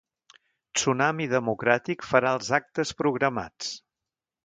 Tsunami Democràtic farà els actes programats